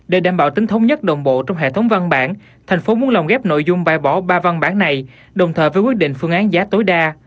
để đảm bảo tính thống nhất đồng bộ trong hệ thống văn bản thành phố muốn lồng ghép nội dung bài bỏ ba văn bản này đồng thời với quyết định phương án giá tối đa